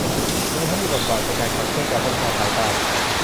รวมทั้งมีบทบาทในการขับเคลื่อนการพัฒนาภายใต้